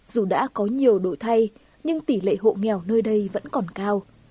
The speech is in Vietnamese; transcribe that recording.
dù đã có nhiều đổi thay nhưng tỷ lệ hộ nghèo nơi đây vẫn còn cao